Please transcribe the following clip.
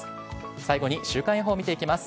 最後に週間予報を見ていきます。